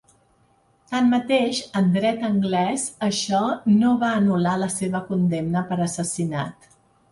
Tanmateix, en dret anglès això no va anular la seva condemna per assassinat.